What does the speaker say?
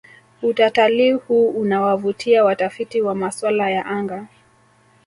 utatalii huu unawavutia watafiti wa maswala ya anga